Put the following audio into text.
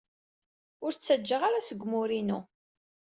Ur ttajjaɣ ara seg umur-inu.